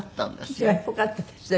じゃあよかったですね